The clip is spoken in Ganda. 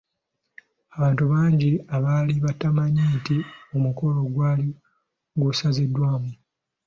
Abantu bangi abaali batamanyi nti omukolo gwali gusaziddwamu.